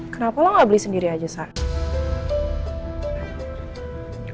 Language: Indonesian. kenapa lo gak beli sendiri aja